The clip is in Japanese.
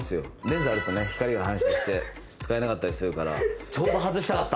レンズあると光が反射して使えなかったりするからちょうど外したかった。